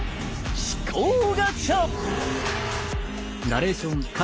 「思考ガチャ！」。